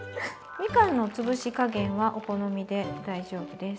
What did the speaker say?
みかんの潰し加減はお好みで大丈夫です。